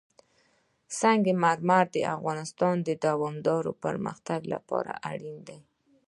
سنگ مرمر د افغانستان د دوامداره پرمختګ لپاره اړین دي.